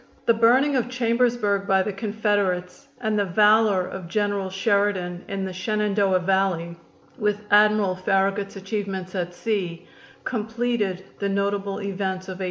The burning of Chambersburg by the Confederates and the valor of General Sheridan in the Shenandoah Valley, with Admiral Farragut's achievements at sea, completed the notable events of 1864.